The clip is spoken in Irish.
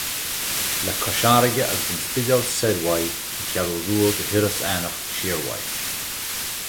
Le Cois Fharraige agus an Spidéal soir uaidh, an Cheathrú Rua go hIorras Aithneach siar uaidh.